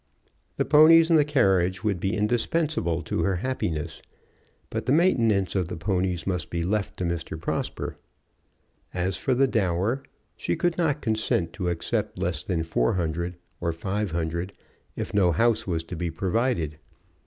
The ponies and the carriage would be indispensable to her happiness. But the maintenance of the ponies must be left to Mr. Prosper. As for the dower, she could not consent to accept less than four hundred or five hundred, if no house was to be provided.